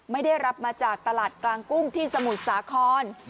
ไม่ได้รับมาจากตลาดกลางกุ้งที่สมุทรสาคร